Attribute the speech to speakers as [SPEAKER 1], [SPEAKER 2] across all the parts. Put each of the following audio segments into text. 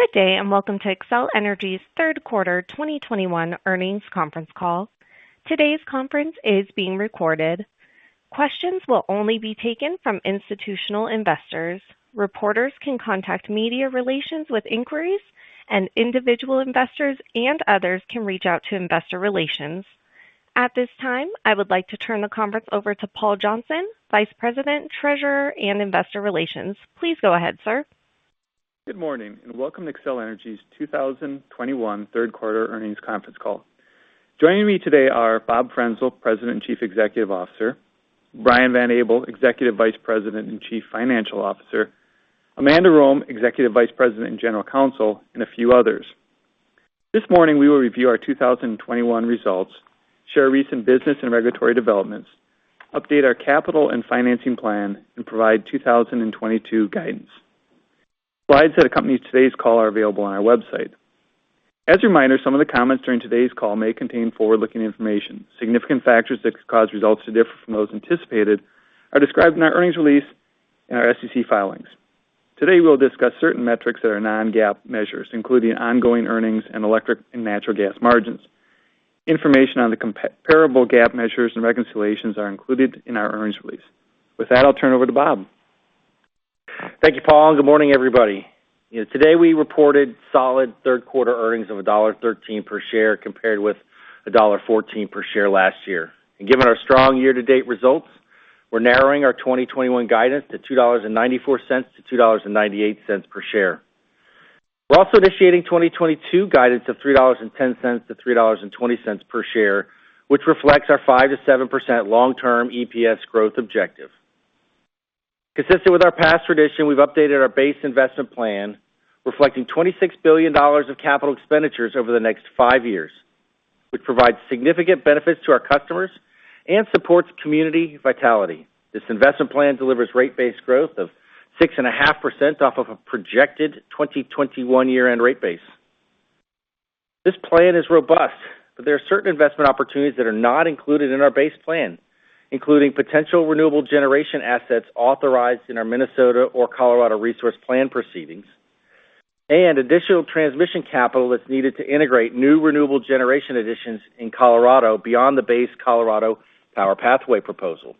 [SPEAKER 1] Good day, and welcome to Xcel Energy's third quarter 2021 earnings conference call. Today's conference is being recorded. Questions will only be taken from institutional investors. Reporters can contact Media Relations with inquiries, and individual investors and others can reach out to Investor Relations. At this time, I would like to turn the conference over to Paul Johnson, Vice President, Treasurer, and Investor Relations. Please go ahead, sir.
[SPEAKER 2] Good morning, and welcome to Xcel Energy's 2021 third quarter earnings conference call. Joining me today are Bob Frenzel, President and Chief Executive Officer, Brian Van Abel, Executive Vice President and Chief Financial Officer, Amanda Rome, Executive Vice President and General Counsel, and a few others. This morning, we will review our 2021 results, share recent business and regulatory developments, update our capital and financing plan, and provide 2022 guidance. Slides that accompany today's call are available on our website. As a reminder, some of the comments during today's call may contain forward-looking information. Significant factors that could cause results to differ from those anticipated are described in our earnings release and our SEC filings. Today, we'll discuss certain metrics that are non-GAAP measures, including ongoing earnings and electric and natural gas margins. Information on the comparable GAAP measures and reconciliations are included in our earnings release. With that, I'll turn over to Bob.
[SPEAKER 3] Thank you, Paul, and good morning, everybody. Today, we reported solid third quarter earnings of $1.13 per share compared with $1.14 per share last year. Given our strong year-to-date results, we're narrowing our 2021 guidance to $2.94-$2.98 per share. We're also initiating 2022 guidance of $3.10-$3.20 per share, which reflects our 5%-7% long-term EPS growth objective. Consistent with our past tradition, we've updated our base investment plan, reflecting $26 billion of capital expenditures over the next 5 years, which provides significant benefits to our customers and supports community vitality. This investment plan delivers rate base growth of 6.5% off of a projected 2021 year-end rate base. This plan is robust, but there are certain investment opportunities that are not included in our base plan, including potential renewable generation assets authorized in our Minnesota or Colorado resource plan proceedings and additional transmission capital that's needed to integrate new renewable generation additions in Colorado beyond the base Colorado's Power Pathway proposal.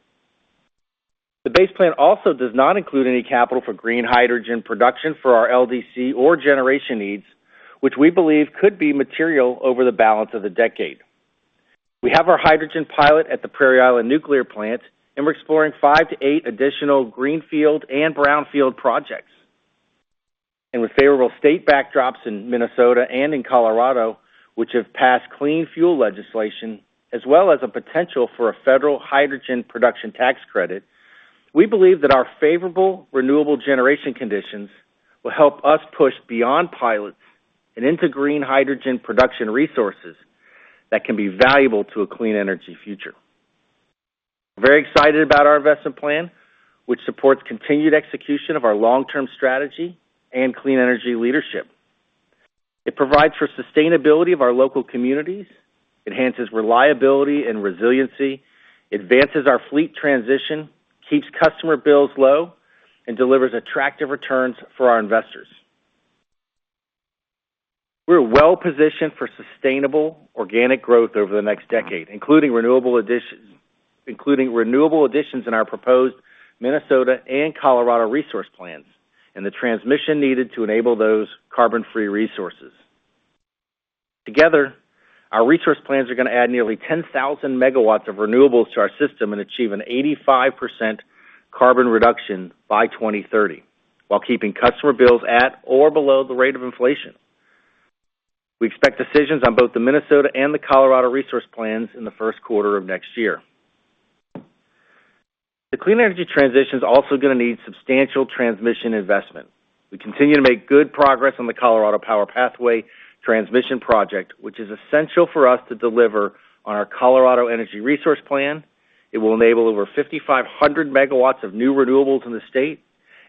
[SPEAKER 3] The base plan also does not include any capital for green hydrogen production for our LDC or generation needs, which we believe could be material over the balance of the decade. We have our hydrogen pilot at the Prairie Island Nuclear Plant, and we're exploring 5-8 additional greenfield and brownfield projects. With favorable state backdrops in Minnesota and in Colorado, which have passed clean fuel legislation, as well as a potential for a federal hydrogen production tax credit, we believe that our favorable renewable generation conditions will help us push beyond pilots and into green hydrogen production resources that can be valuable to a clean energy future. We're very excited about our investment plan, which supports continued execution of our long-term strategy and clean energy leadership. It provides for sustainability of our local communities, enhances reliability and resiliency, advances our fleet transition, keeps customer bills low, and delivers attractive returns for our investors. We're well-positioned for sustainable organic growth over the next decade, including renewable additions in our proposed Minnesota and Colorado resource plans and the transmission needed to enable those carbon-free resources. Together, our resource plans are going to add nearly 10,000 MW of renewables to our system and achieve an 85% carbon reduction by 2030 while keeping customer bills at or below the rate of inflation. We expect decisions on both the Minnesota and the Colorado resource plans in the first quarter of next year. The clean energy transition is also going to need substantial transmission investment. We continue to make good progress on the Colorado's Power Pathway transmission project, which is essential for us to deliver on our Colorado Energy Resource Plan. It will enable over 5,500 MW of new renewables in the state,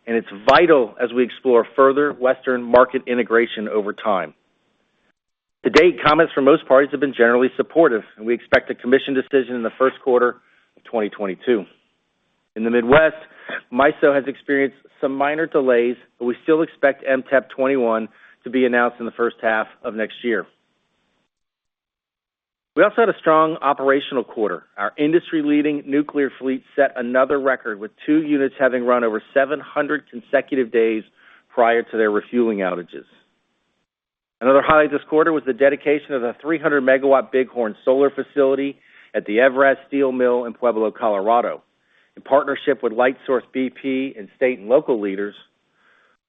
[SPEAKER 3] and it's vital as we explore further Western market integration over time. To date, comments from most parties have been generally supportive, and we expect a commission decision in the first quarter of 2022. In the Midwest, MISO has experienced some minor delays, but we still expect MTEP 2021 to be announced in the first half of next year. We also had a strong operational quarter. Our industry-leading nuclear fleet set another record with 2 units having run over 700 consecutive days prior to their refueling outages. Another highlight this quarter was the dedication of the 300 MW Bighorn Solar facility at the EVRAZ steel mill in Pueblo, Colorado. In partnership with Lightsource bp and state and local leaders,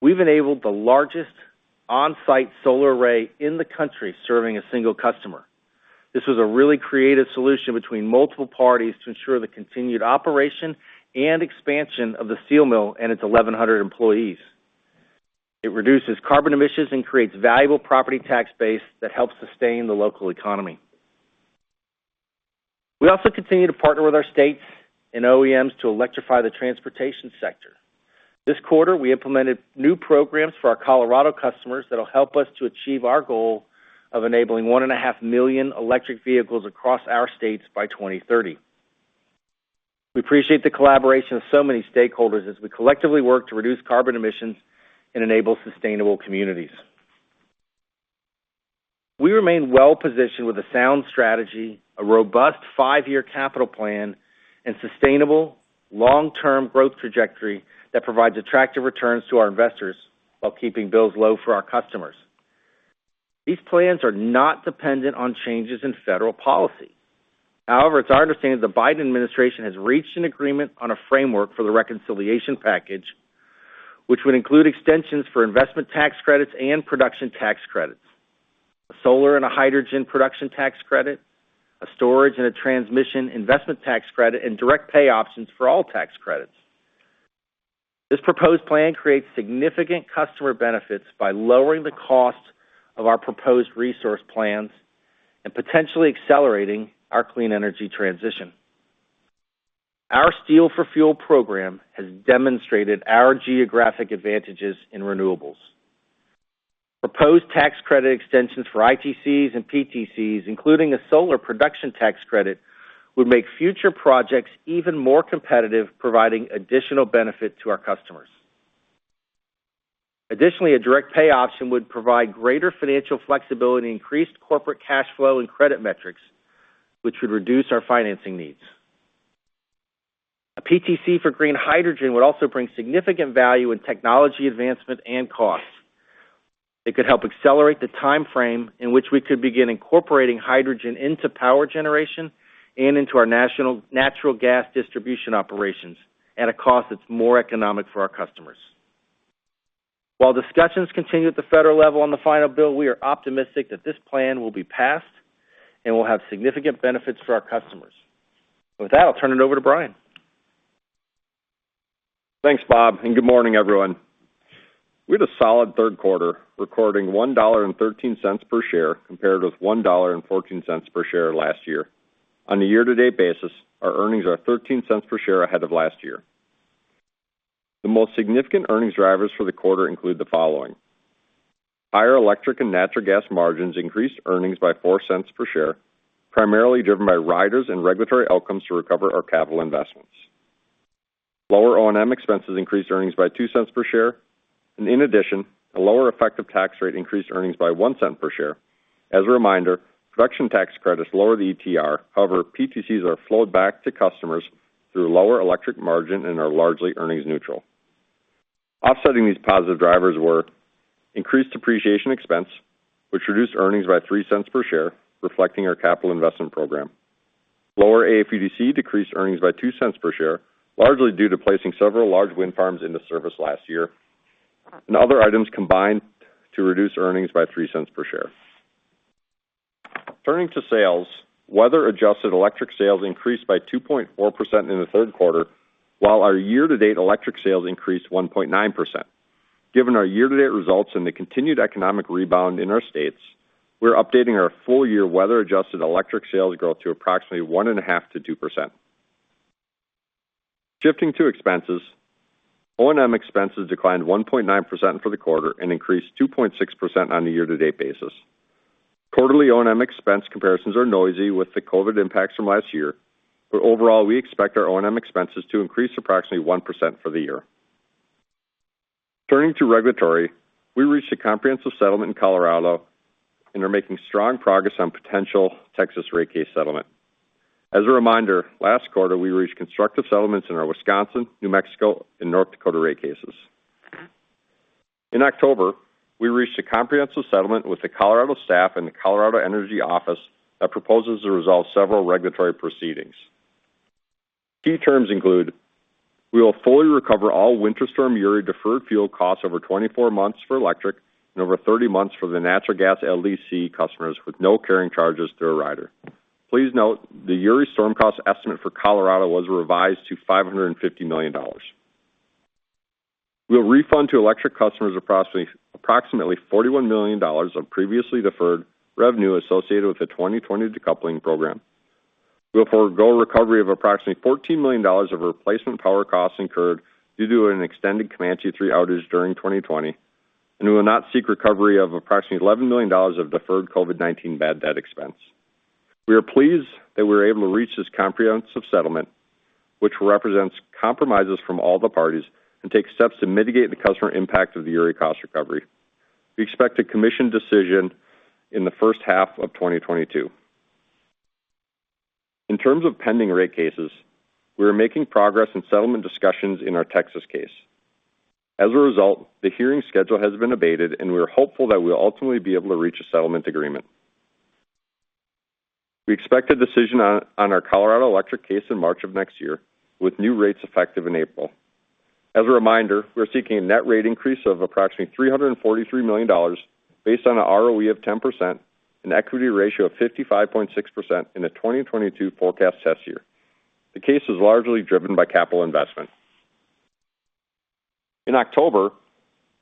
[SPEAKER 3] we've enabled the largest on-site solar array in the country serving a single customer. This was a really creative solution between multiple parties to ensure the continued operation and expansion of the steel mill and its 1,100 employees. It reduces carbon emissions and creates valuable property tax base that helps sustain the local economy. We also continue to partner with our states and OEMs to electrify the transportation sector. This quarter, we implemented new programs for our Colorado customers that will help us to achieve our goal of enabling 1.5 million electric vehicles across our states by 2030. We appreciate the collaboration of so many stakeholders as we collectively work to reduce carbon emissions and enable sustainable communities. We remain well-positioned with a sound strategy, a robust five-year capital plan, and sustainable long-term growth trajectory that provides attractive returns to our investors while keeping bills low for our customers. These plans are not dependent on changes in federal policy. However, it's our understanding the Biden administration has reached an agreement on a framework for the reconciliation package, which would include extensions for investment tax credits and production tax credits, a solar and a hydrogen production tax credit, a storage and a transmission investment tax credit, and direct pay options for all tax credits. This proposed plan creates significant customer benefits by lowering the cost of our proposed resource plans and potentially accelerating our clean energy transition. Our Steel for Fuel program has demonstrated our geographic advantages in renewables. Proposed tax credit extensions for ITCs and PTCs, including a solar production tax credit, would make future projects even more competitive, providing additional benefit to our customers. Additionally, a direct pay option would provide greater financial flexibility, increased corporate cash flow and credit metrics, which would reduce our financing needs. A PTC for green hydrogen would also bring significant value in technology advancement and costs. It could help accelerate the timeframe in which we could begin incorporating hydrogen into power generation and into our natural gas distribution operations at a cost that's more economic for our customers. While discussions continue at the federal level on the final bill, we are optimistic that this plan will be passed and will have significant benefits for our customers. With that, I'll turn it over to Brian.
[SPEAKER 4] Thanks, Bob, and good morning, everyone. We had a solid third quarter, recording $1.13 per share compared with $1.14 per share last year. On a year-to-date basis, our earnings are $0.13 per share ahead of last year. The most significant earnings drivers for the quarter include the following. Higher electric and natural gas margins increased earnings by $0.04 per share, primarily driven by riders and regulatory outcomes to recover our capital investments. Lower O&M expenses increased earnings by $0.02 per share. In addition, a lower effective tax rate increased earnings by $0.01 per share. As a reminder, production tax credits lower the ETR. However, PTCs are flowed back to customers through lower electric margin and are largely earnings neutral. Offsetting these positive drivers were increased depreciation expense, which reduced earnings by $0.03 per share, reflecting our capital investment program. Lower AFUDC decreased earnings by $0.02 per share, largely due to placing several large wind farms into service last year. Other items combined to reduce earnings by $0.03 per share. Turning to sales, weather-adjusted electric sales increased by 2.4% in the third quarter, while our year-to-date electric sales increased 1.9%. Given our year-to-date results and the continued economic rebound in our states, we're updating our full-year weather-adjusted electric sales growth to approximately 1.5%-2%. Shifting to expenses, O&M expenses declined 1.9% for the quarter and increased 2.6% on a year-to-date basis. Quarterly O&M expense comparisons are noisy with the COVID impacts from last year, but overall, we expect our O&M expenses to increase approximately 1% for the year. Turning to regulatory, we reached a comprehensive settlement in Colorado and are making strong progress on potential Texas rate case settlement. As a reminder, last quarter, we reached constructive settlements in our Wisconsin, New Mexico, and North Dakota rate cases. In October, we reached a comprehensive settlement with the Colorado staff and the Colorado Energy Office that proposes to resolve several regulatory proceedings. Key terms include, we will fully recover all Winter Storm Uri deferred fuel costs over 24 months for electric and over 30 months for the natural gas LDC customers with no carrying charges through a rider. Please note the Uri storm cost estimate for Colorado was revised to $550 million. We'll refund to electric customers approximately $41 million of previously deferred revenue associated with the 2020 decoupling program. We'll forego recovery of approximately $14 million of replacement power costs incurred due to an extended Comanche III outage during 2020, and we will not seek recovery of approximately $11 million of deferred COVID-19 bad debt expense. We are pleased that we were able to reach this comprehensive settlement, which represents compromises from all the parties and takes steps to mitigate the customer impact of the Uri cost recovery. We expect a commission decision in the first half of 2022. In terms of pending rate cases, we are making progress in settlement discussions in our Texas case. As a result, the hearing schedule has been abated, and we are hopeful that we'll ultimately be able to reach a settlement agreement. We expect a decision on our Colorado electric case in March of next year, with new rates effective in April. As a reminder, we're seeking a net rate increase of approximately $343 million based on an ROE of 10%, an equity ratio of 55.6% in the 2022 forecast test year. The case is largely driven by capital investment. In October,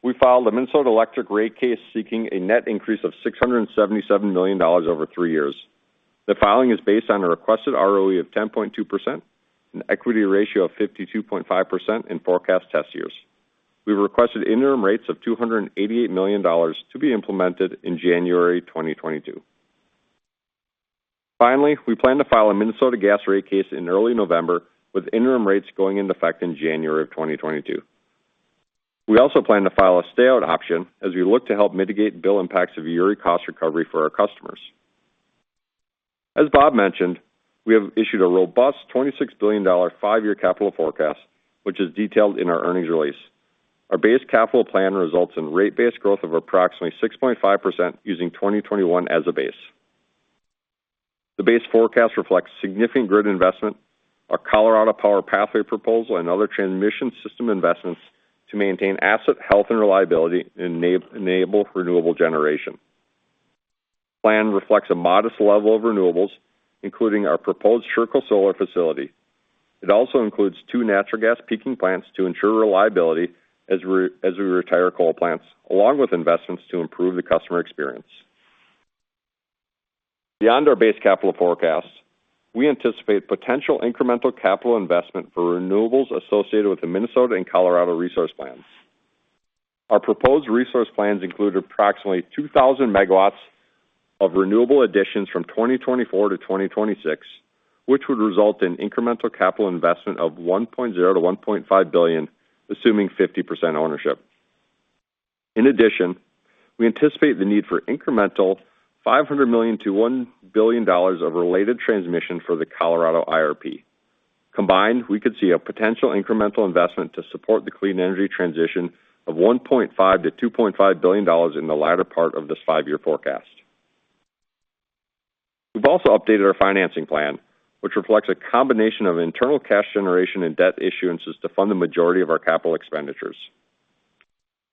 [SPEAKER 4] we filed a Minnesota electric rate case seeking a net increase of $677 million over three years. The filing is based on a requested ROE of 10.2%, an equity ratio of 52.5% in forecast test years. We requested interim rates of $288 million to be implemented in January 2022. Finally, we plan to file a Minnesota gas rate case in early November, with interim rates going into effect in January 2022. We also plan to file a stay out option as we look to help mitigate bill impacts of Uri cost recovery for our customers. As Bob mentioned, we have issued a robust $26 billion five-year capital forecast, which is detailed in our earnings release. Our base capital plan results in rate base growth of approximately 6.5% using 2021 as a base. The base forecast reflects significant grid investment, our Colorado's Power Pathway proposal and other transmission system investments to maintain asset health and reliability and enable renewable generation. The plan reflects a modest level of renewables, including our proposed Sherco Solar facility. It also includes 2 natural gas peaking plants to ensure reliability as we retire coal plants, along with investments to improve the customer experience. Beyond our base capital forecast, we anticipate potential incremental capital investment for renewables associated with the Minnesota and Colorado resource plans. Our proposed resource plans include approximately 2,000 MW of renewable additions from 2024 to 2026, which would result in incremental capital investment of $1.0 billion-$1.5 billion, assuming 50% ownership. In addition, we anticipate the need for incremental $500 million-$1 billion of related transmission for the Colorado IRP. Combined, we could see a potential incremental investment to support the clean energy transition of $1.5 billion-$2.5 billion in the latter part of this 5-year forecast. We've also updated our financing plan, which reflects a combination of internal cash generation and debt issuances to fund the majority of our capital expenditures.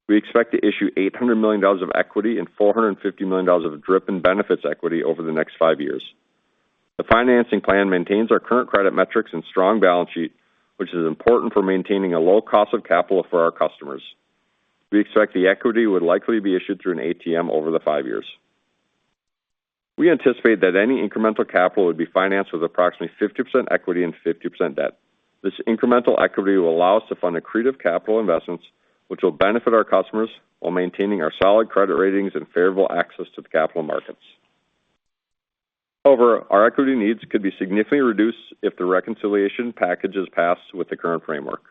[SPEAKER 4] We expect to issue $800 million of equity and $450 million of DRIP and benefits equity over the next 5 years. The financing plan maintains our current credit metrics and strong balance sheet, which is important for maintaining a low cost of capital for our customers. We expect the equity would likely be issued through an ATM over the 5 years. We anticipate that any incremental capital would be financed with approximately 50% equity and 50% debt. This incremental equity will allow us to fund accretive capital investments, which will benefit our customers while maintaining our solid credit ratings and favorable access to the capital markets. However, our equity needs could be significantly reduced if the reconciliation package is passed with the current framework.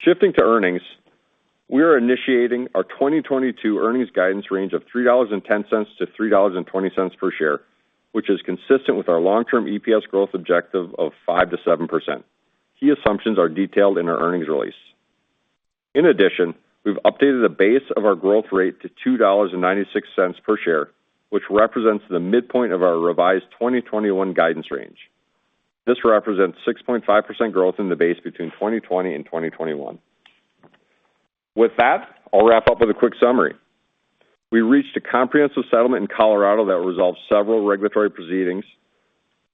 [SPEAKER 4] Shifting to earnings, we are initiating our 2022 earnings guidance range of $3.10-$3.20 per share, which is consistent with our long-term EPS growth objective of 5%-7%. Key assumptions are detailed in our earnings release. In addition, we've updated the base of our growth rate to $2.96 per share, which represents the midpoint of our revised 2021 guidance range. This represents 6.5% growth in the base between 2020 and 2021. With that, I'll wrap up with a quick summary. We reached a comprehensive settlement in Colorado that resolves several regulatory proceedings.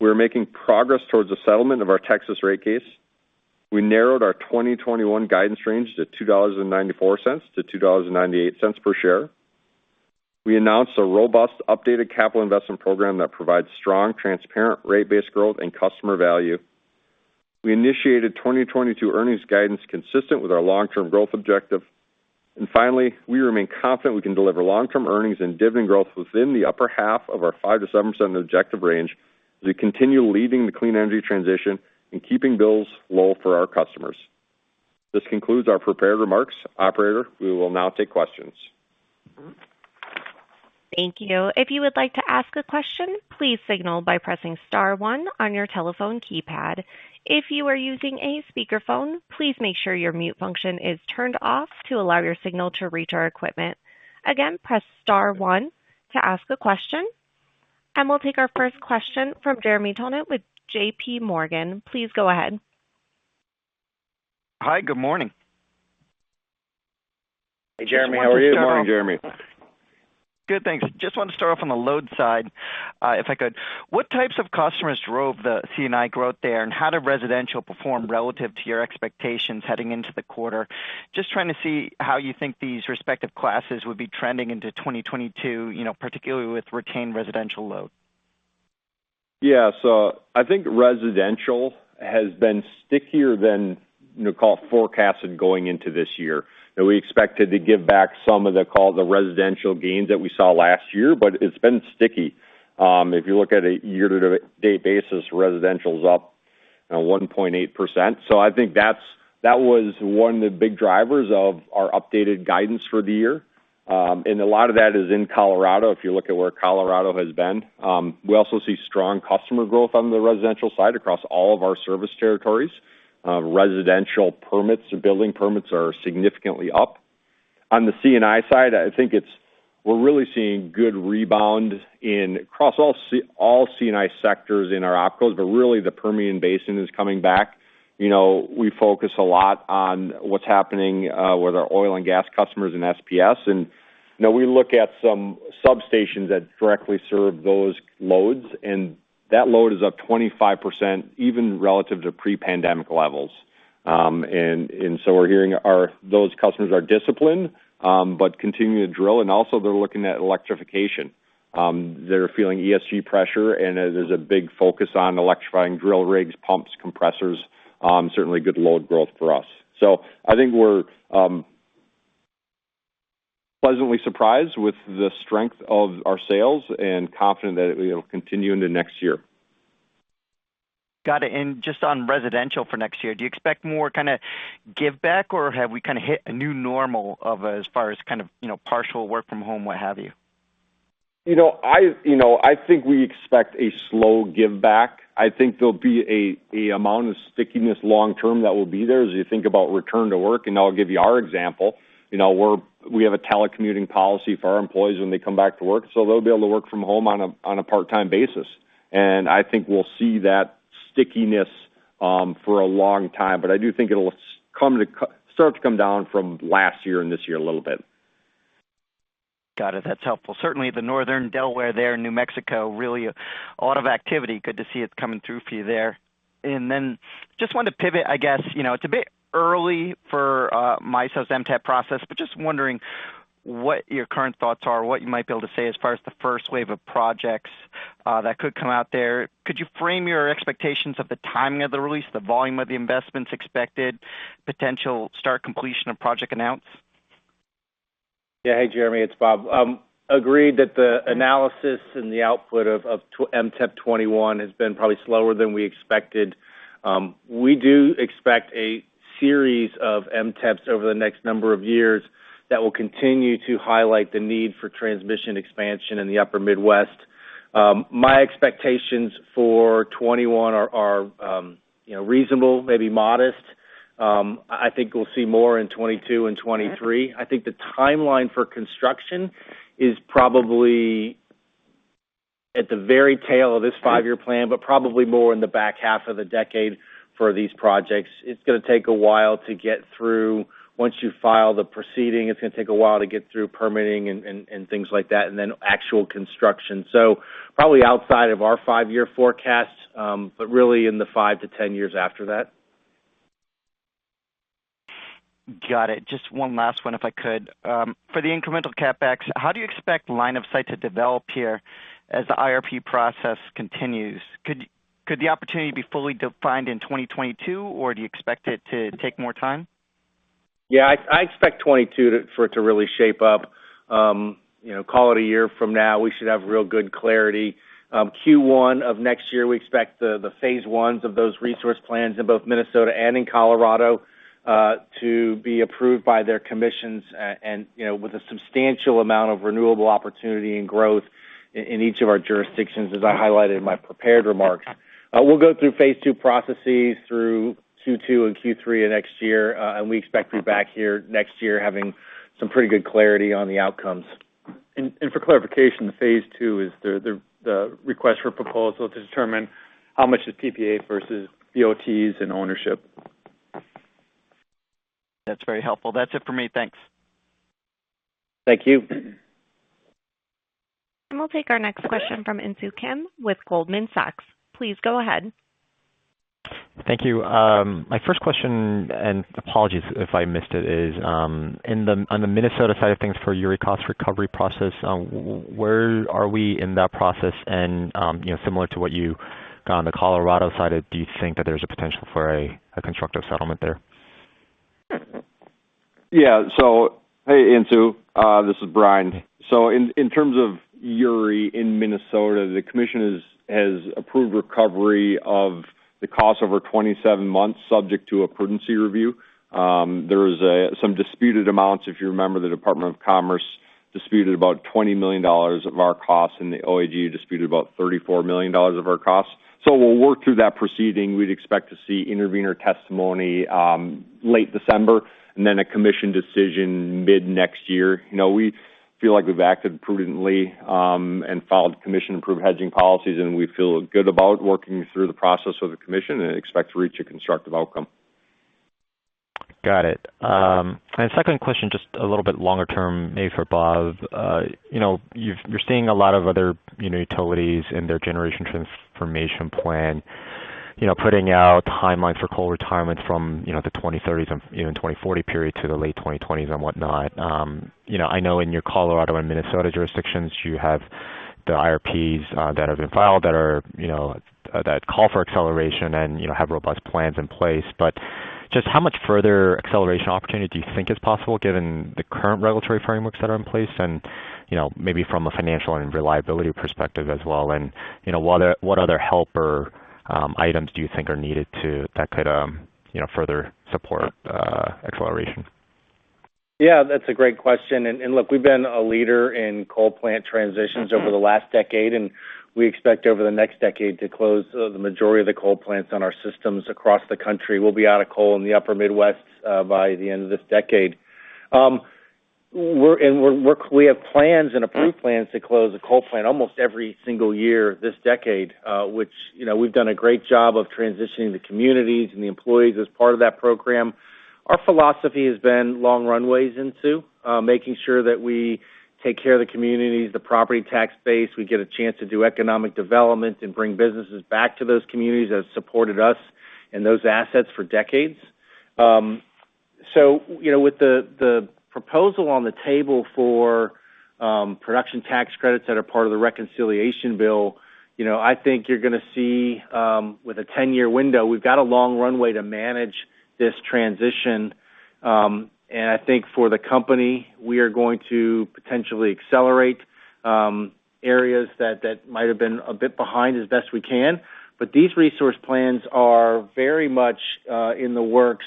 [SPEAKER 4] We are making progress towards the settlement of our Texas rate case. We narrowed our 2021 guidance range to $2.94-$2.98 per share. We announced a robust updated capital investment program that provides strong, transparent rate-based growth and customer value. We initiated 2022 earnings guidance consistent with our long-term growth objective. Finally, we remain confident we can deliver long-term earnings and dividend growth within the upper half of our 5%-7% objective range as we continue leading the clean energy transition and keeping bills low for our customers. This concludes our prepared remarks. Operator, we will now take questions.
[SPEAKER 1] Thank you. If you would like to ask a question, please signal by pressing star one on your telephone keypad. If you are using a speakerphone, please make sure your mute function is turned off to allow your signal to reach our equipment. Again, press star one to ask a question. We'll take our first question from Jeremy Tonet with J.P. Morgan. Please go ahead.
[SPEAKER 5] Hi. Good morning.
[SPEAKER 4] Hey, Jeremy. How are you? Morning, Jeremy.
[SPEAKER 5] Good, thanks. Just wanted to start off on the load side, if I could. What types of customers drove the C&I growth there, and how did residential perform relative to your expectations heading into the quarter? Just trying to see how you think these respective classes would be trending into 2022, you know, particularly with retained residential load.
[SPEAKER 4] Yeah. I think residential has been stickier than, you know, call it forecasted going into this year. You know, we expected to give back some of the, call it, the residential gains that we saw last year, but it's been sticky. If you look at a year-to-date basis, residential is up 1.8%. I think that's, that was one of the big drivers of our updated guidance for the year. A lot of that is in Colorado, if you look at where Colorado has been. We also see strong customer growth on the residential side across all of our service territories. Residential permits or building permits are significantly up. On the C&I side, I think we're really seeing good rebound across all C&I sectors in our opcos, but really the Permian Basin is coming back. You know, we focus a lot on what's happening with our oil and gas customers in SPS. You know, we look at some substations that directly serve those loads, and that load is up 25% even relative to pre-pandemic levels. We're hearing those customers are disciplined, but continue to drill, and also they're looking at electrification. They're feeling ESG pressure, and there's a big focus on electrifying drill rigs, pumps, compressors. Certainly good load growth for us. I think we're pleasantly surprised with the strength of our sales and confident that it will continue into next year.
[SPEAKER 5] Got it. Just on residential for next year, do you expect more kinda giveback or have we kinda hit a new normal of as far as kind of, you know, partial work from home, what have you?
[SPEAKER 4] You know, I think we expect a slow giveback. I think there'll be a amount of stickiness long term that will be there as you think about return to work. I'll give you our example. You know, we have a telecommuting policy for our employees when they come back to work, so they'll be able to work from home on a part-time basis. I think we'll see that stickiness for a long time. I do think it'll start to come down from last year and this year a little bit.
[SPEAKER 5] Got it. That's helpful. Certainly the northern Delaware there, New Mexico, really a lot of activity. Good to see it coming through for you there. Just wanted to pivot, I guess. You know, it's a bit early for MISO's MTEP process, but just wondering what your current thoughts are, what you might be able to say as far as the first wave of projects that could come out there. Could you frame your expectations of the timing of the release, the volume of the investments expected, potential start, completion of project announcement?
[SPEAKER 3] Hey, Jeremy, it's Bob. Agreed that the analysis and the output of MTEP 2021 has been probably slower than we expected. We do expect a series of MTEPs over the next a number of years that will continue to highlight the need for transmission expansion in the Upper Midwest. My expectations for 2021 are, you know, reasonable, maybe modest. I think we'll see more in 2022 and 2023. I think the timeline for construction is probably at the very tail of this five-year plan, but probably more in the back half of the decade for these projects. It's gonna take a while to get through. Once you file the proceeding, it's gonna take a while to get through permitting and things like that, and then actual construction. Probably outside of our five-year forecast, but really in the 5-10 years after that.
[SPEAKER 5] Got it. Just one last one, if I could. For the incremental CapEx, how do you expect line of sight to develop here as the IRP process continues? Could the opportunity be fully defined in 2022, or do you expect it to take more time?
[SPEAKER 3] Yeah. I expect 2022 for it to really shape up. You know, call it a year from now, we should have real good clarity. Q1 of next year, we expect the phase ones of those resource plans in both Minnesota and in Colorado to be approved by their commissions and, you know, with a substantial amount of renewable opportunity and growth in each of our jurisdictions, as I highlighted in my prepared remarks. We'll go through phase two processes through Q2 and Q3 of next year, and we expect to be back here next year having some pretty good clarity on the outcomes.
[SPEAKER 4] For clarification, the phase two is the request for proposal to determine how much is PPA versus BOTs and ownership.
[SPEAKER 5] That's very helpful. That's it for me. Thanks.
[SPEAKER 3] Thank you.
[SPEAKER 1] We'll take our next question from Insoo Kim with Goldman Sachs. Please go ahead.
[SPEAKER 6] Thank you. My first question, and apologies if I missed it, is on the Minnesota side of things for Uri cost recovery process, where are we in that process? You know, similar to what you got on the Colorado side, do you think that there's a potential for a constructive settlement there?
[SPEAKER 4] Yeah. Hey, Insoo, this is Brian. In terms of Uri in Minnesota, the commission has approved recovery of the cost over 27 months, subject to a prudence review. There is some disputed amounts. If you remember, the Department of Commerce disputed about $20 million of our costs, and the OAG disputed about $34 million of our costs. We'll work through that proceeding. We'd expect to see intervener testimony late December, and then a commission decision mid next year. You know, we feel like we've acted prudently, and followed commission-approved hedging policies, and we feel good about working through the process with the commission and expect to reach a constructive outcome.
[SPEAKER 6] Got it. Second question, just a little bit longer term, maybe for Bob. You know, you're seeing a lot of other, you know, utilities in their generation transformation plan, you know, putting out timelines for coal retirement from, you know, the 2030s and even 2040 period to the late 2020s and whatnot. You know, I know in your Colorado and Minnesota jurisdictions, you have the IRPs that have been filed that are, you know, that call for acceleration and, you know, have robust plans in place. Just how much further acceleration opportunity do you think is possible given the current regulatory frameworks that are in place and, you know, maybe from a financial and reliability perspective as well? You know, what other help or items do you think are needed that could further support acceleration?
[SPEAKER 3] Yeah, that's a great question. Look, we've been a leader in coal plant transitions over the last decade, and we expect over the next decade to close the majority of the coal plants on our systems across the country. We'll be out of coal in the Upper Midwest by the end of this decade. We have plans and approved plans to close a coal plant almost every single year this decade, which, you know, we've done a great job of transitioning the communities and the employees as part of that program. Our philosophy has been long runways, Insoo, making sure that we take care of the communities, the property tax base. We get a chance to do economic development and bring businesses back to those communities that have supported us and those assets for decades. You know, with the proposal on the table for production tax credits that are part of the reconciliation bill, you know, I think you're gonna see with a 10-year window, we've got a long runway to manage this transition. I think for the company, we are going to potentially accelerate areas that might have been a bit behind as best we can. These resource plans are very much in the works.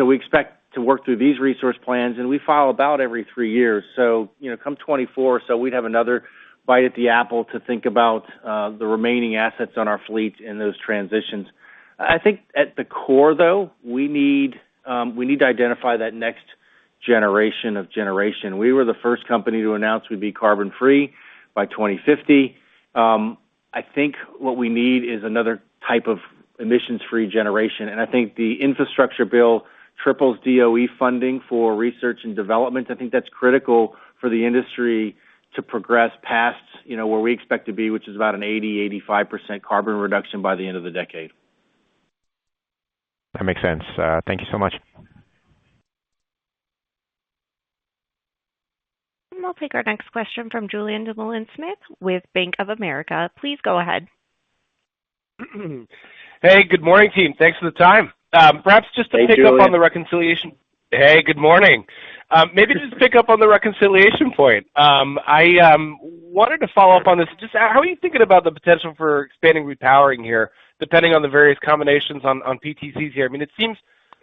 [SPEAKER 3] We expect to work through these resource plans, and we file about every three years. You know, come 2024, we'd have another bite at the apple to think about the remaining assets on our fleets in those transitions. I think at the core, though, we need to identify that next generation of generation. We were the first company to announce we'd be carbon free by 2050. I think what we need is another type of emissions-free generation. I think the infrastructure bill triples DOE funding for research and development. I think that's critical for the industry to progress past, you know, where we expect to be, which is about an 80%-85% carbon reduction by the end of the decade.
[SPEAKER 6] That makes sense. Thank you so much.
[SPEAKER 1] We'll take our next question from Julien Dumoulin-Smith with Bank of America. Please go ahead.
[SPEAKER 7] Hey, good morning, team. Thanks for the time. Perhaps just to pick up-
[SPEAKER 3] Hey, Julian.
[SPEAKER 7] On the reconciliation. Hey, good morning. Maybe just pick up on the reconciliation point. I wanted to follow up on this. Just how are you thinking about the potential for expanding repowering here, depending on the various combinations on PTCs here? I mean, it seems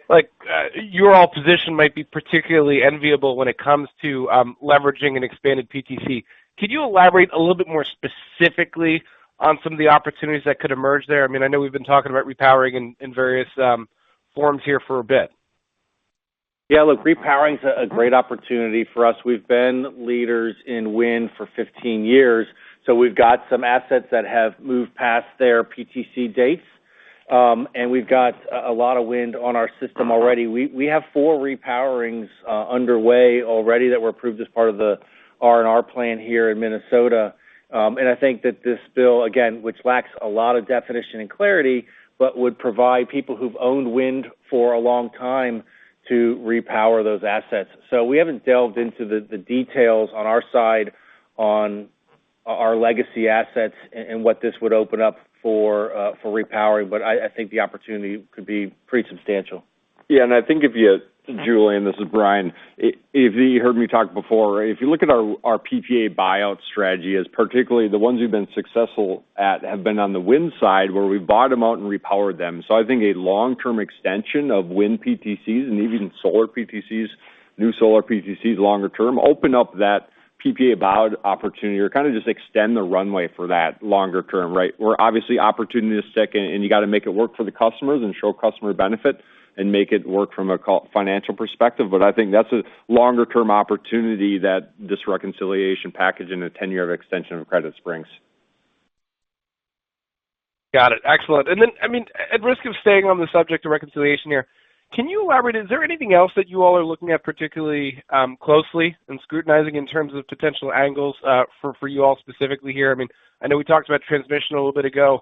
[SPEAKER 7] like your overall position might be particularly enviable when it comes to leveraging an expanded PTC. Could you elaborate a little bit more specifically on some of the opportunities that could emerge there? I mean, I know we've been talking about repowering in various forms here for a bit.
[SPEAKER 3] Yeah. Look, repowering is a great opportunity for us. We've been leaders in wind for 15 years, so we've got some assets that have moved past their PTC dates. We've got a lot of wind on our system already. We have four repowerings underway already that were approved as part of the R&R plan here in Minnesota. I think that this bill, again, which lacks a lot of definition and clarity, but would provide people who've owned wind for a long time to repower those assets. We haven't delved into the details on our side on our legacy assets and what this would open up for repowering. I think the opportunity could be pretty substantial.
[SPEAKER 4] Yeah. I think if you, Julian, this is Brian. If you heard me talk before, if you look at our PPA buyout strategy, particularly the ones we've been successful at have been on the wind side, where we bought them out and repowered them. I think a long-term extension of wind PTCs and even solar PTCs, new solar PTCs longer term, open up that PPA buyout opportunity or kinda just extend the runway for that longer term, right? Where obviously opportunity is second, and you got to make it work for the customers and show customer benefit and make it work from a financial perspective. I think that's a longer-term opportunity that this reconciliation package and a 10-year extension of credits brings.
[SPEAKER 7] Got it. Excellent. Then, I mean, at risk of staying on the subject of reconciliation here, can you elaborate? Is there anything else that you all are looking at particularly closely and scrutinizing in terms of potential angles for you all specifically here? I mean, I know we talked about transmission a little bit ago.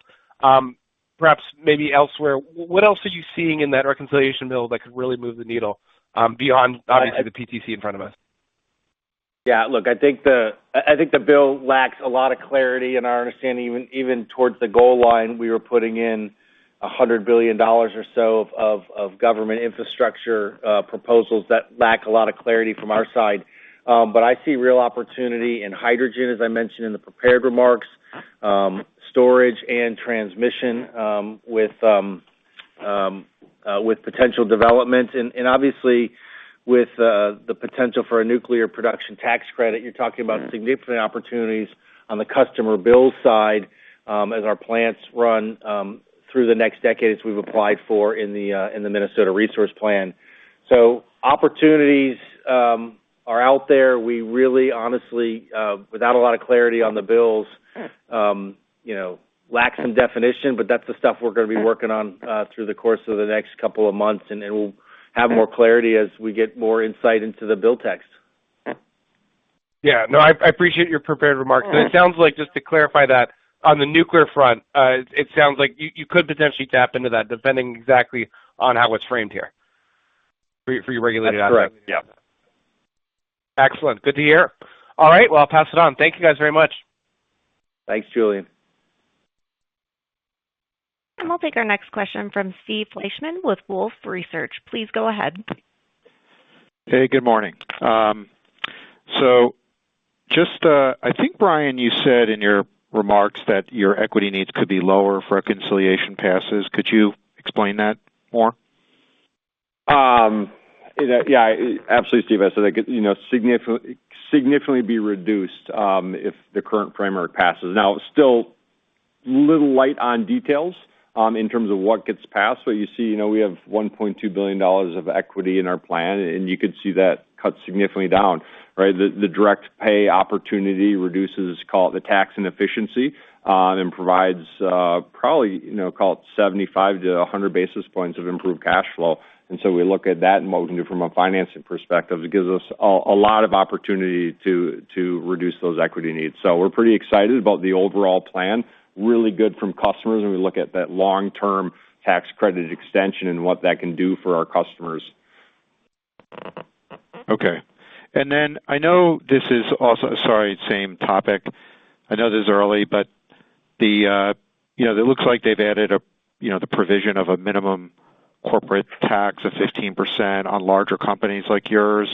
[SPEAKER 7] Perhaps maybe elsewhere. What else are you seeing in that reconciliation bill that could really move the needle beyond obviously the PTC in front of us?
[SPEAKER 3] Look, I think the bill lacks a lot of clarity in our understanding. Even towards the goal line, we were putting in $100 billion or so of government infrastructure proposals that lack a lot of clarity from our side. I see real opportunity in hydrogen, as I mentioned in the prepared remarks, storage and transmission, with potential development. Obviously with the potential for a nuclear production tax credit, you're talking about significant opportunities on the customer bill side, as our plants run through the next decade, as we've applied for in the Minnesota resource plan. Opportunities are out there. We really honestly without a lot of clarity on the bills, you know, lack some definition, but that's the stuff we're gonna be working on through the course of the next couple of months, and then we'll have more clarity as we get more insight into the bill text.
[SPEAKER 7] Yeah. No, I appreciate your prepared remarks. It sounds like just to clarify that, on the nuclear front, it sounds like you could potentially tap into that, depending exactly on how it's framed here for your regulated asset.
[SPEAKER 3] That's correct. Yeah.
[SPEAKER 7] Excellent. Good to hear. All right. Well, I'll pass it on. Thank you guys very much.
[SPEAKER 3] Thanks, Julien.
[SPEAKER 1] We'll take our next question from Steve Fleishman with Wolfe Research. Please go ahead.
[SPEAKER 8] Hey, good morning. I think, Brian, you said in your remarks that your equity needs could be lower if reconciliation passes. Could you explain that more?
[SPEAKER 4] Yeah. Absolutely, Steve. I said, you know, significantly be reduced if the current framework passes. Now, still a little light on details in terms of what gets passed. You see, you know, we have $1.2 billion of equity in our plan, and you could see that cut significantly down, right? The direct pay opportunity reduces, call it, the tax inefficiency, and provides, probably, you know, call it 75-100 basis points of improved cash flow. We look at that and what we can do from a financing perspective. It gives us a lot of opportunity to reduce those equity needs. We're pretty excited about the overall plan. Really good for customers when we look at that long-term tax credit extension and what that can do for our customers.
[SPEAKER 8] Okay. Then I know this is also—sorry, same topic. I know this is early, but the, you know, it looks like they've added a, you know, the provision of a minimum corporate tax of 15% on larger companies like yours.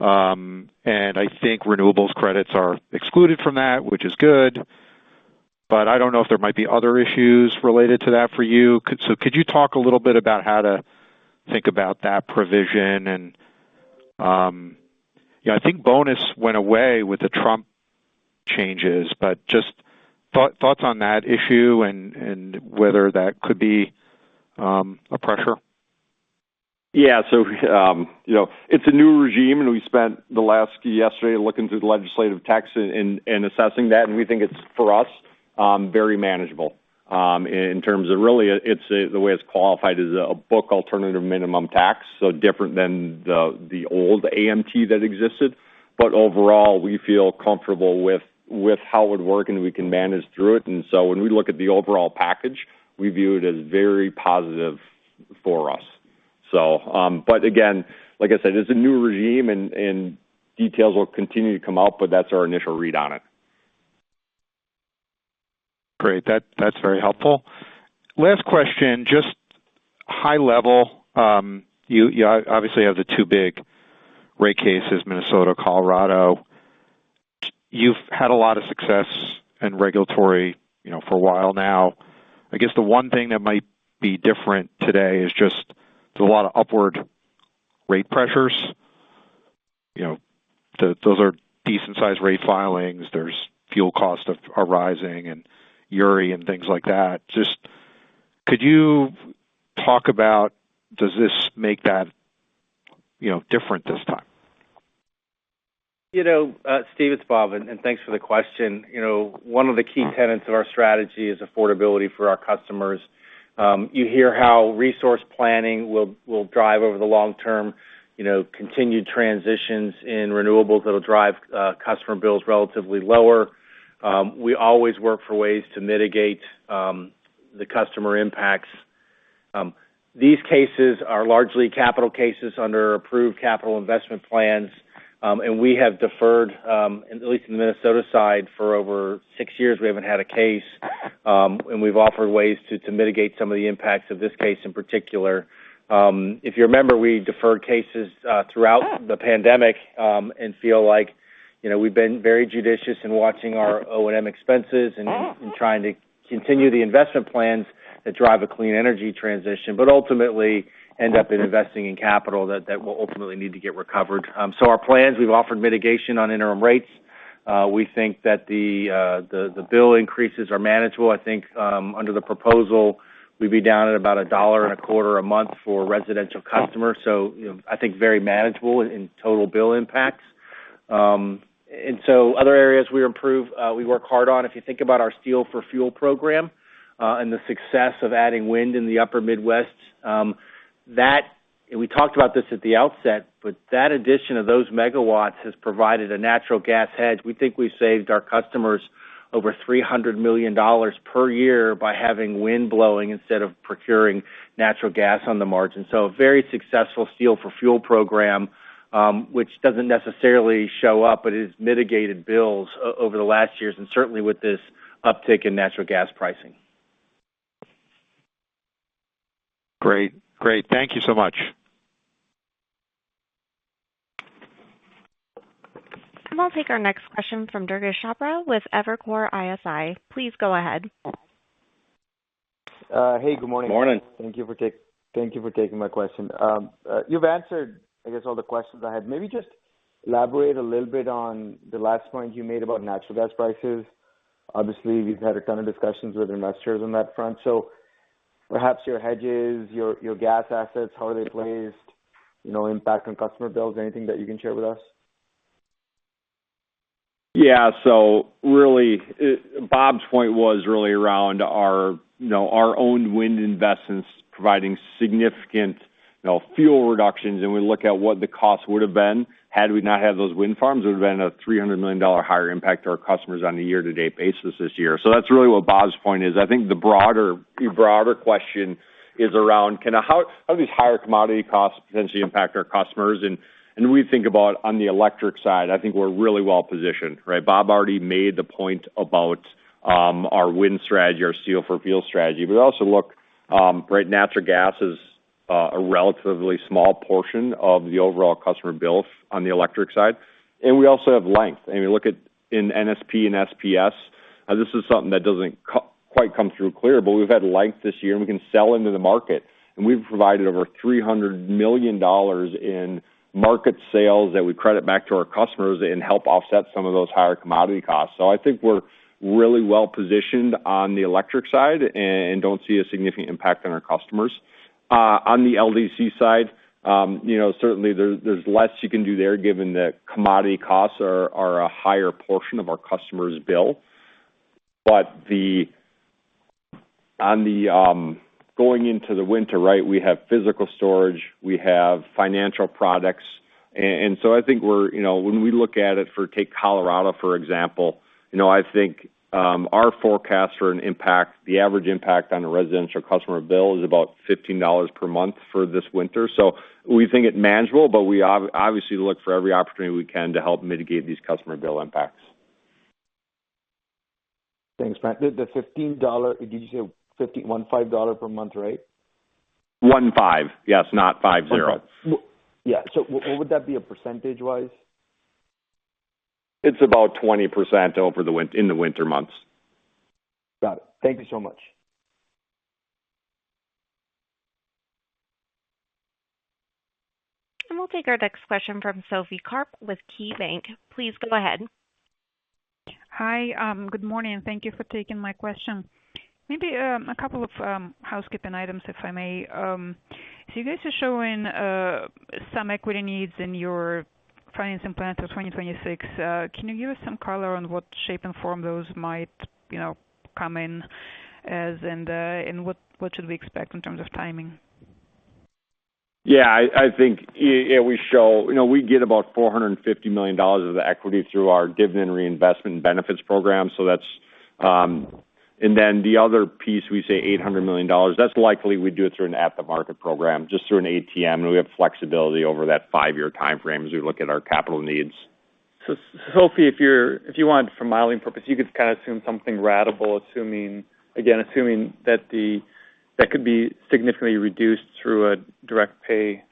[SPEAKER 8] I think renewables credits are excluded from that, which is good. I don't know if there might be other issues related to that for you. Could you talk a little bit about how to think about that provision? You know, I think bonus went away with the Trump changes, but just thoughts on that issue and whether that could be a pressure.
[SPEAKER 4] Yeah. You know, it's a new regime, and we spent yesterday looking through the legislative text and assessing that, and we think it's, for us, very manageable, in terms of really it's the way it's qualified as a book alternative minimum tax, so different than the old AMT that existed. Overall, we feel comfortable with how it would work, and we can manage through it. When we look at the overall package, we view it as very positive for us. But again, like I said, it's a new regime and details will continue to come out, but that's our initial read on it.
[SPEAKER 8] Great. That's very helpful. Last question, just high level. You obviously have the two big rate cases, Minnesota, Colorado. You've had a lot of success in regulatory, you know, for a while now. I guess the one thing that might be different today is just there's a lot of upward rate pressures. You know, those are decent-sized rate filings. Fuel costs are rising and Uri and things like that. Just could you talk about does this make that, you know, different this time?
[SPEAKER 3] You know, Steve, it's Bob, and thanks for the question. You know, one of the key tenets of our strategy is affordability for our customers. You hear how resource planning will drive over the long term, you know, continued transitions in renewables that'll drive customer bills relatively lower. We always work for ways to mitigate the customer impacts. These cases are largely capital cases under approved capital investment plans, and we have deferred, at least in the Minnesota side, for over six years, we haven't had a case, and we've offered ways to mitigate some of the impacts of this case in particular. If you remember, we deferred cases throughout the pandemic, and feel like, you know, we've been very judicious in watching our O&M expenses and trying to continue the investment plans that drive a clean energy transition, but ultimately end up investing in capital that will ultimately need to get recovered. Our plans, we've offered mitigation on interim rates. We think that the bill increases are manageable. I think, under the proposal, we'd be down at about $1.25 a month for residential customers. You know, I think very manageable in total bill impacts. Other areas we improve, we work hard on, if you think about our Steel for Fuel program, and the success of adding wind in the upper Midwest. We talked about this at the outset, but that addition of those megawatts has provided a natural gas hedge. We think we've saved our customers over $300 million per year by having wind blowing instead of procuring natural gas on the margin. A very successful Steel for Fuel program, which doesn't necessarily show up, but it has mitigated bills over the last years and certainly with this uptick in natural gas pricing.
[SPEAKER 8] Great. Thank you so much.
[SPEAKER 1] I'll take our next question from Durgesh Chopra with Evercore ISI. Please go ahead.
[SPEAKER 9] Hey, good morning.
[SPEAKER 4] Morning.
[SPEAKER 9] Thank you for taking my question. You've answered, I guess, all the questions I had. Maybe just elaborate a little bit on the last point you made about natural gas prices. Obviously, we've had a ton of discussions with investors on that front. So perhaps your hedges, your gas assets, how are they placed, you know, impact on customer bills, anything that you can share with us?
[SPEAKER 4] Yeah. Really, Bob's point was really around our, you know, our own wind investments providing significant, you know, fuel reductions, and we look at what the cost would have been had we not had those wind farms. It would have been a $300 million higher impact to our customers on a year-to-date basis this year. That's really what Bob's point is. I think the broader question is around how these higher commodity costs potentially impact our customers? We think about on the electric side, I think we're really well positioned, right? Bob already made the point about our wind strategy, our Steel for Fuel strategy. Also look, right, natural gas is a relatively small portion of the overall customer bill on the electric side. We also have length. I mean, look at NSP and SPS. This is something that doesn't quite come through clear, but we've had leverage this year, and we can sell into the market. We've provided over $300 million in market sales that we credit back to our customers and help offset some of those higher commodity costs. I think we're really well-positioned on the electric side and don't see a significant impact on our customers. On the LDC side, certainly there's less you can do there given that commodity costs are a higher portion of our customer's bill. On the going into the winter, we have physical storage, we have financial products. I think we're, you know, when we look at it for, take Colorado, for example, you know, I think our forecast for an impact, the average impact on a residential customer bill is about $15 per month for this winter. We think it manageable, but we obviously look for every opportunity we can to help mitigate these customer bill impacts.
[SPEAKER 9] Thanks, Brian. The $15, did you say $15, $15 per month, right?
[SPEAKER 4] 15. Yes, not 50.
[SPEAKER 9] Yeah. What would that be percentage-wise?
[SPEAKER 4] It's about 20% over the wind in the winter months.
[SPEAKER 9] Got it. Thank you so much.
[SPEAKER 1] We'll take our next question from Sophie Karp with KeyBanc. Please go ahead.
[SPEAKER 10] Hi. Good morning, and thank you for taking my question. Maybe a couple of housekeeping items, if I may. You guys are showing some equity needs in your financial plans of 2026. Can you give us some color on what shape and form those might, you know, come in as and what should we expect in terms of timing?
[SPEAKER 4] I think yeah, we show, you know, we get about $450 million of the equity through our dividend reinvestment benefits program. That's. The other piece, we say $800 million. That's likely we do it through an at the market program, just through an ATM, and we have flexibility over that 5-year timeframe as we look at our capital needs.
[SPEAKER 2] Sophie, if you want for modeling purpose, you could kind of assume something ratable, assuming that could be significantly reduced through a direct pay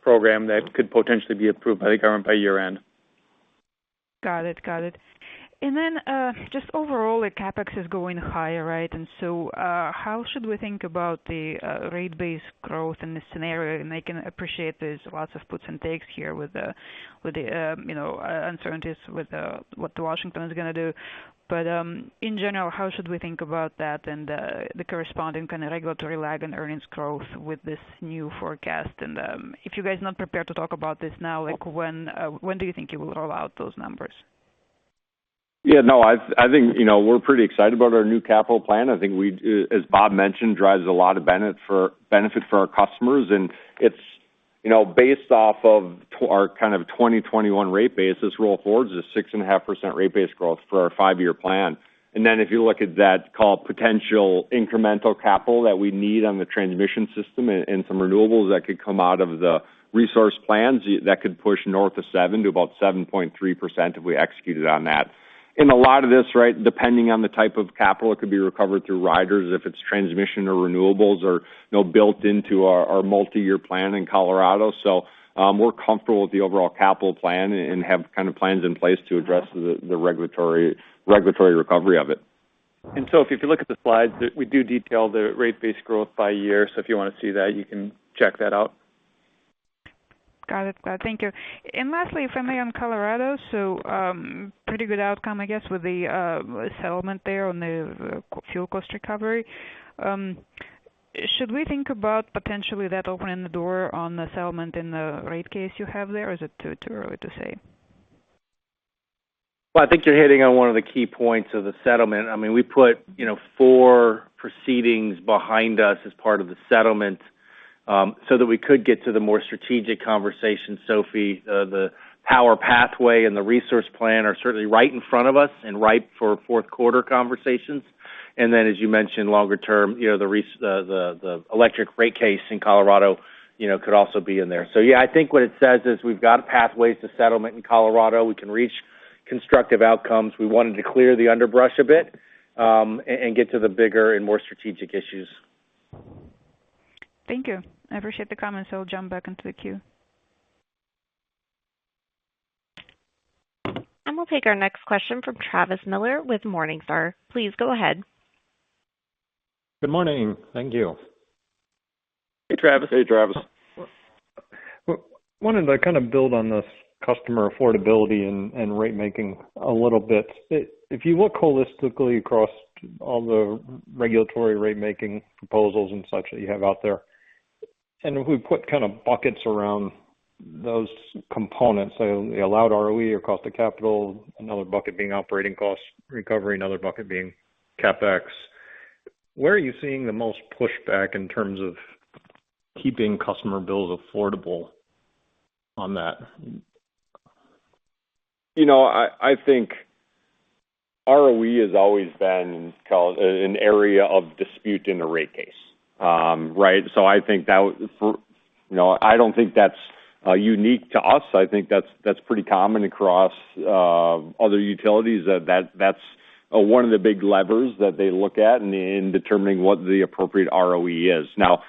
[SPEAKER 2] program that could potentially be approved by the government by year-end.
[SPEAKER 10] Got it. Just overall, the CapEx is going higher, right? How should we think about the rate-based growth in this scenario? I can appreciate there's lots of puts and takes here with the, you know, uncertainties with what Washington is gonna do. In general, how should we think about that and the corresponding kind of regulatory lag and earnings growth with this new forecast? If you guys are not prepared to talk about this now, like when do you think you will roll out those numbers?
[SPEAKER 4] Yeah, no, I think, you know, we're pretty excited about our new capital plan. I think we, as Bob mentioned, drives a lot of benefit for our customers. It's, you know, based off of our kind of 2021 rate base. This roll forward is 6.5% rate base growth for our five-year plan. Then if you look at that all potential incremental capital that we need on the transmission system and some renewables that could come out of the resource plans, that could push north of 7% to about 7.3% if we executed on that. A lot of this, right, depending on the type of capital, it could be recovered through riders if it's transmission or renewables or, you know, built into our multi-year plan in Colorado. We're comfortable with the overall capital plan and have kind of plans in place to address the regulatory recovery of it.
[SPEAKER 2] Sophie, if you look at the slides, we do detail the rate-based growth by year. If you wanna see that, you can check that out.
[SPEAKER 10] Got it. Thank you. Lastly, if I may, on Colorado. Pretty good outcome, I guess, with the settlement there on the fuel cost recovery. Should we think about potentially that opening the door on the settlement in the rate case you have there, or is it too early to say?
[SPEAKER 4] Well, I think you're hitting on one of the key points of the settlement. I mean, we put, you know, four proceedings behind us as part of the settlement, so that we could get to the more strategic conversation, Sophie. The Power Pathway and the resource plan are certainly right in front of us and ripe for fourth quarter conversations. Then as you mentioned, longer term, you know, the electric rate case in Colorado, you know, could also be in there. Yeah, I think what it says is we've got pathways to settlement in Colorado. We can reach constructive outcomes. We wanted to clear the underbrush a bit, and get to the bigger and more strategic issues.
[SPEAKER 10] Thank you. I appreciate the comments. I'll jump back into the queue.
[SPEAKER 1] We'll take our next question from Travis Miller with Morningstar. Please go ahead.
[SPEAKER 11] Good morning. Thank you.
[SPEAKER 4] Hey, Travis.
[SPEAKER 2] Hey, Travis.
[SPEAKER 11] Wanted to kind of build on this customer affordability and rate making a little bit. If you look holistically across all the regulatory rate making proposals and such that you have out there, and if we put kind of buckets around those components, so the allowed ROE or cost of capital, another bucket being operating costs recovery, another bucket being CapEx. Where are you seeing the most pushback in terms of keeping customer bills affordable on that?
[SPEAKER 4] You know, I think ROE has always been called an area of dispute in a rate case. You know, I don't think that's unique to us. I think that's pretty common across other utilities. That's one of the big levers that they look at in determining what the appropriate ROE is. Now,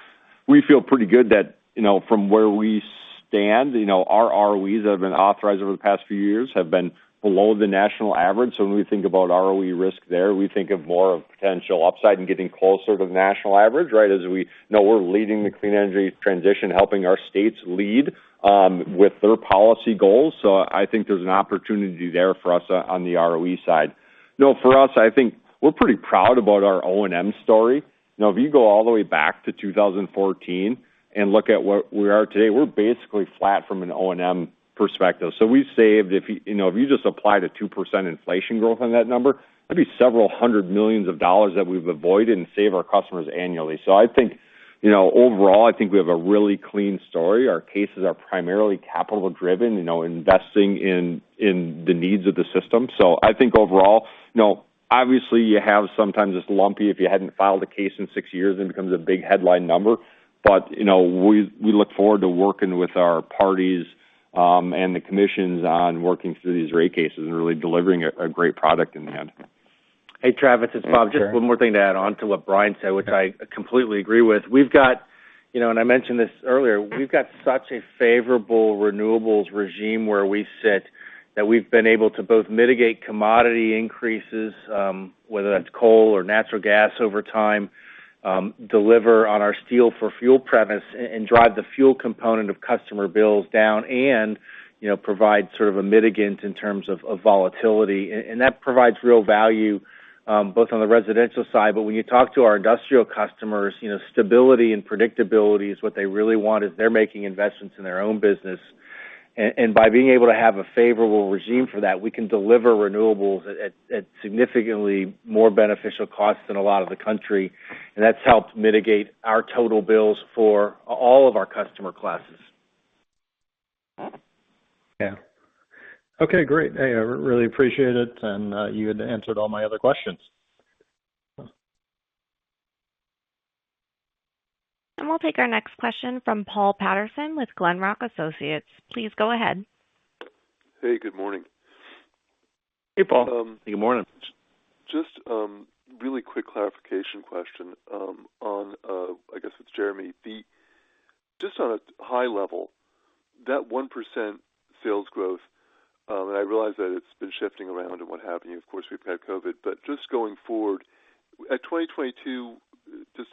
[SPEAKER 4] we feel pretty good that, you know, from where we stand, you know, our ROEs that have been authorized over the past few years have been below the national average. When we think about ROE risk there, we think of more of potential upside and getting closer to national average, right? As we know, we're leading the clean energy transition, helping our states lead with their policy goals. I think there's an opportunity there for us on the ROE side. You know, for us, I think we're pretty proud about our O&M story. You know, if you go all the way back to 2014 and look at where we are today, we're basically flat from an O&M perspective. We've saved. You know, if you just apply the 2% inflation growth on that number, that'd be $ several hundred million that we've avoided and save our customers annually. I think, you know, overall, I think we have a really clean story. Our cases are primarily capital-driven, you know, investing in the needs of the system. I think overall, you know, obviously, you know, sometimes it's lumpy if you hadn't filed a case in 6 years, it becomes a big headline number. You know, we look forward to working with our parties and the commissions on working through these rate cases and really delivering a great product in the end.
[SPEAKER 3] Hey, Travis, it's Bob.
[SPEAKER 4] Hey, sure.
[SPEAKER 3] Just one more thing to add on to what Brian said, which I completely agree with. We've got, you know, and I mentioned this earlier, we've got such a favorable renewables regime where we sit that we've been able to both mitigate commodity increases, whether that's coal or natural gas over time, deliver on our steel-for-fuel premise and drive the fuel component of customer bills down and, you know, provide sort of a mitigant in terms of volatility. That provides real value, both on the residential side. When you talk to our industrial customers, you know, stability and predictability is what they really want as they're making investments in their own business. By being able to have a favorable regime for that, we can deliver renewables at significantly more beneficial costs than a lot of the country. That's helped mitigate our total bills for all of our customer classes.
[SPEAKER 11] Yeah. Okay, great. I really appreciate it, and you had answered all my other questions.
[SPEAKER 1] We'll take our next question from Paul Patterson with Glenrock Associates. Please go ahead.
[SPEAKER 12] Hey, good morning.
[SPEAKER 4] Hey, Paul.
[SPEAKER 3] Good morning.
[SPEAKER 12] Just really quick clarification question on I guess it's Jeremy. Just on a high level, that 1% sales growth and I realize that it's been shifting around and what have you. Of course, we've had COVID, but just going forward, at 2022, just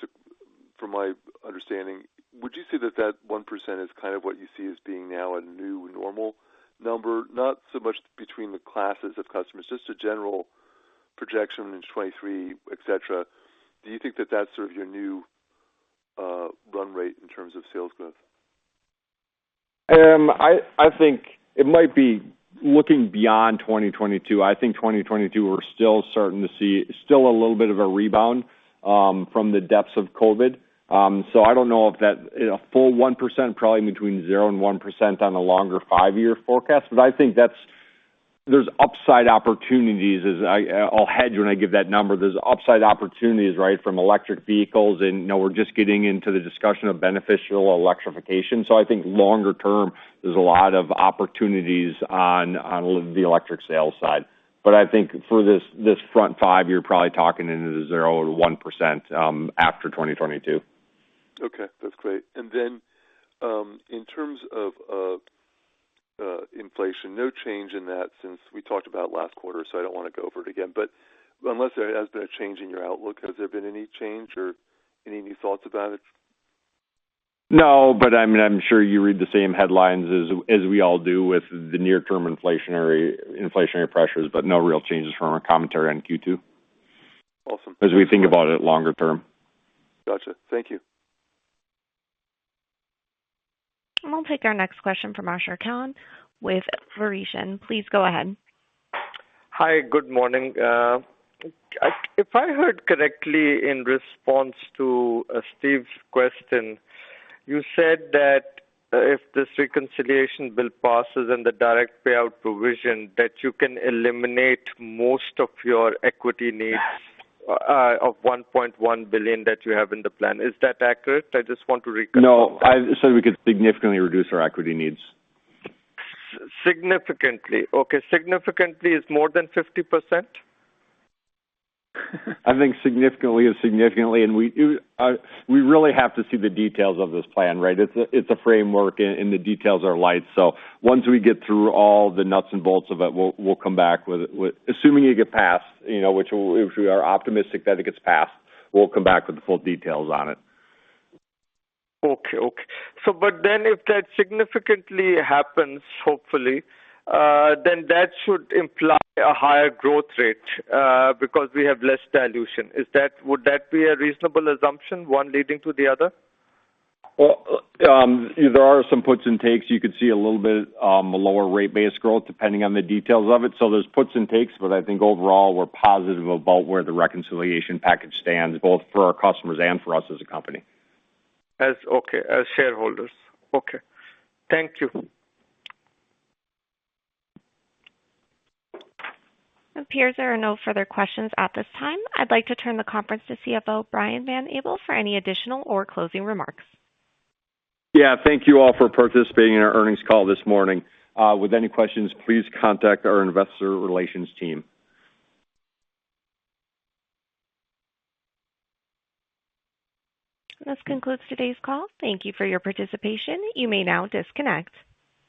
[SPEAKER 12] from my understanding, would you say that 1% is kind of what you see as being now a new normal number? Not so much between the classes of customers, just a general projection in 2023, et cetera. Do you think that that's sort of your new run rate in terms of sales growth?
[SPEAKER 4] I think it might be looking beyond 2022. I think 2022, we're still starting to see still a little bit of a rebound from the depths of COVID. I don't know if that, you know, full 1%, probably between 0% and 1% on a longer five-year forecast. I think that's. There's upside opportunities as I'll hedge when I give that number. There's upside opportunities, right, from electric vehicles and, you know, we're just getting into the discussion of beneficial electrification. I think longer term, there's a lot of opportunities on the electric sales side. I think for this front five, you're probably talking in the 0%-1%, after 2022.
[SPEAKER 12] Okay, that's great. In terms of inflation, no change in that since we talked about last quarter, so I don't wanna go over it again. Unless there has been a change in your outlook, has there been any change or any new thoughts about it?
[SPEAKER 4] No, but I'm sure you read the same headlines as we all do with the near-term inflationary pressures, but no real changes from our commentary on Q2.
[SPEAKER 12] Awesome.
[SPEAKER 4] As we think about it longer term.
[SPEAKER 12] Gotcha. Thank you.
[SPEAKER 1] We'll take our next question from Ashar Khan with Verition. Please go ahead.
[SPEAKER 13] Hi, good morning. If I heard correctly in response to Steve's question, you said that if this reconciliation bill passes and the direct payout provision, that you can eliminate most of your equity needs of $1.1 billion that you have in the plan. Is that accurate? I just want to reconfirm that.
[SPEAKER 4] No, I said we could significantly reduce our equity needs.
[SPEAKER 13] Significantly. Okay, significantly is more than 50%?
[SPEAKER 4] I think significantly. We really have to see the details of this plan, right? It's a framework and the details are light. Once we get through all the nuts and bolts of it, we'll come back with. Assuming it get passed, you know, if we are optimistic that it gets passed, we'll come back with the full details on it.
[SPEAKER 13] If that significantly happens, hopefully, then that should imply a higher growth rate, because we have less dilution. Would that be a reasonable assumption, one leading to the other?
[SPEAKER 4] Well, there are some puts and takes. You could see a little bit, a lower rate base growth depending on the details of it. There's puts and takes, but I think overall, we're positive about where the reconciliation package stands, both for our customers and for us as a company.
[SPEAKER 13] Okay, as shareholders. Okay. Thank you.
[SPEAKER 1] It appears there are no further questions at this time. I'd like to turn the call to CFO Brian Van Abel for any additional or closing remarks.
[SPEAKER 4] Yeah. Thank you all for participating in our earnings call this morning. With any questions, please contact our investor relations team.
[SPEAKER 1] This concludes today's call. Thank you for your participation. You may now disconnect.